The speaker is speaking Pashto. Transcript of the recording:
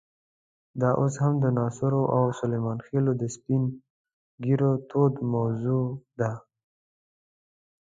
دا اوس هم د ناصرو او سلیمان خېلو د سپین ږیرو توده موضوع ده.